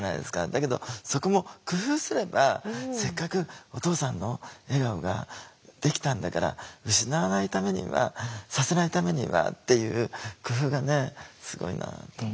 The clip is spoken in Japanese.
だけどそこも工夫すればせっかくお父さんの笑顔ができたんだから失わないためにはさせないためにはっていう工夫がねすごいなと思う。